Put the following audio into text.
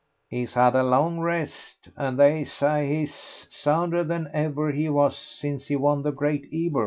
"He's had a long rest, and they say he is sounder than ever he was since he won the Great Ebor.